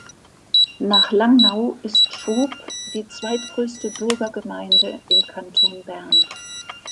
Nach Langnau ist Trub die zweitgrösste Bürgergemeinde im Kanton Bern.